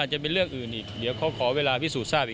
จะเป็นเรื่องอื่นอีกเดี๋ยวเขาขอเวลาพิสูจน์ทราบอีก